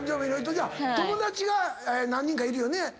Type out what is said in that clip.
友達が何人かいるよね？